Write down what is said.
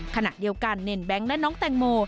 ขณะเดียวกันเนรแบงค์และน้องแตงโม